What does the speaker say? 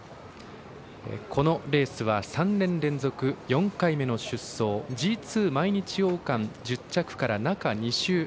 このレースは３年連続４回目の出走Ｇ２、毎日王冠１０着から中２週。